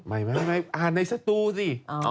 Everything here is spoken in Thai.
ไม่อ่านในศจุสิ